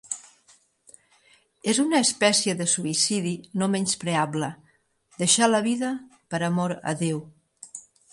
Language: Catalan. És una espècie de suïcidi no menyspreable: deixar la vida per amor a Déu.